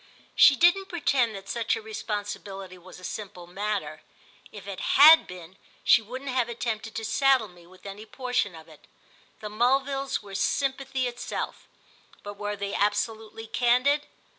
She didn't pretend that such a responsibility was a simple matter; if it had been she wouldn't have attempted to saddle me with any portion of it. The Mulvilles were sympathy itself, but were they absolutely candid?